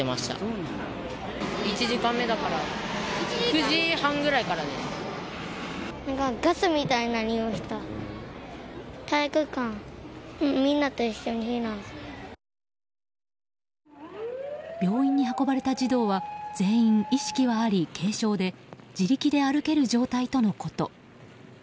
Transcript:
病院に運ばれた児童は全員意識はあり、軽症で自力で歩ける状態とのこと。